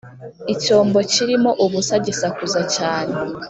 icyombo kirimo ubusa gisakuza cyane.